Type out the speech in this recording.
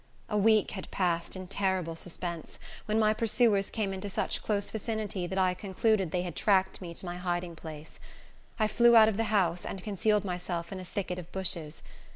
A week had passed in terrible suspense, when my pursuers came into such close vicinity that I concluded they had tracked me to my hiding place. I flew out of the house, and concealed myself in a thicket of bushes.